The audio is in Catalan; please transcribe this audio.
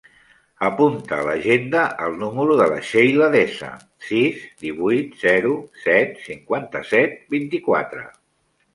Apunta a l'agenda el número de la Sheila Deza: sis, divuit, zero, set, cinquanta-set, vint-i-quatre.